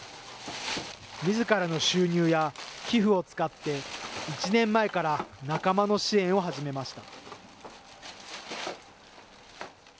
みずからの収入や寄付を使って、１年前から仲間の支援を始めました。